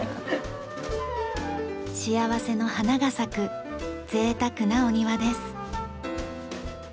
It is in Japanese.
幸せの花が咲く贅沢なお庭です。